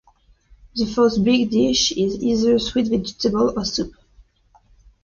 The fourth "big dish" is either sweet vegetables or soup.